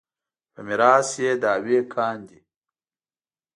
په میراث یې دعوې کاندي.